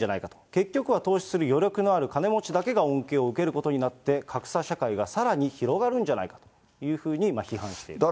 結局は投資する余力のある金持ちだけが恩恵を受けることになって、格差社会がさらに広がるんじゃないかというふうに批判しています。